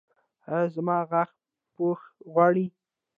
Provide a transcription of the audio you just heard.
ایا زما غاښ پوښ غواړي؟